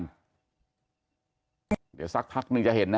เดี๋ยวสักพักนึงจะเห็นนะ